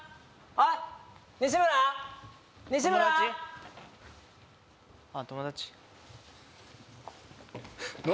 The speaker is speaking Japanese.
あっ友達何？